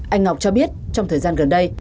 anh ngọc cho biết trong thời gian gần đây